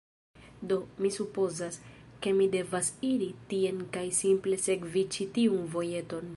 Do, mi supozas, ke mi devas iri tien kaj simple sekvi ĉi tiun vojeton